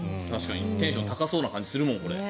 テンション高そうな感じがするもん。